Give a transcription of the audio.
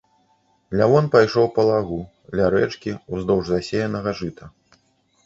Лявон пайшоў па лагу, ля рэчкі, уздоўж засеянага жыта.